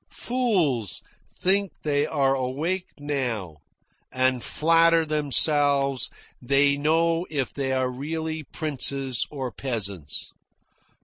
Fools think they are awake now, and flatter themselves they know if they are really princes or peasants.